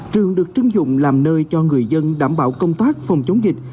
trường được trưng dụng làm nơi cho người dân đảm bảo công tác phòng chống dịch